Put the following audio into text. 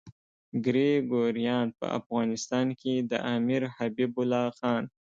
ګریګوریان په افغانستان کې د امیر حبیب الله خان.